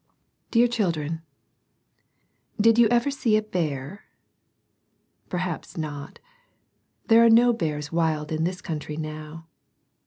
DEAR Children, — Did you ever see a bear ? Perhaps not. There are no bears wild in this country now.